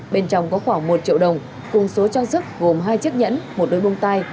bên trong có khoảng một triệu đồng cùng số trang sức gồm hai chiếc nhẫn một đôi bông tai